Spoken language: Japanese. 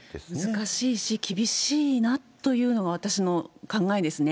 難しいし、厳しいなというのが私の考えですね。